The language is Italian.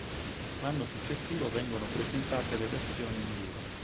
L'anno successivo vengono presentate le versioni enduro.